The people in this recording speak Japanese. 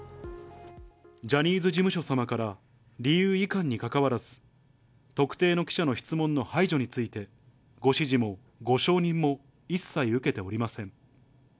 ジャニーズ事務所様から理由いかんにかかわらず、特定の記者の質問の排除について、ご指示もご承認も一切受けておりません。